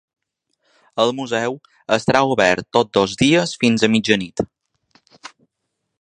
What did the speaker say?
El museu estarà obert tots dos dies fins a mitjanit.